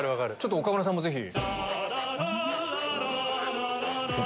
岡村さんもぜひ。